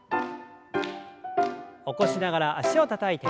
起こしながら脚をたたいて。